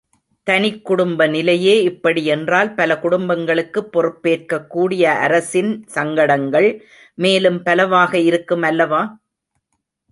தனிக் குடும்பநிலையே இப்படி என்றால் பல குடும்பங்களுக்குப் பொறுப்பேற்கக் கூடிய அரசின் சங்கடங்கள் மேலும் பலவாக இருக்கும் அல்லவா?